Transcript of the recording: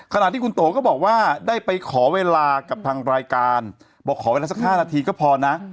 ขณะที่คุณโตก็บอกว่าได้ไปขอเวลากับทางรายการบอกขอเวลาสัก๕นาทีก็พอนะ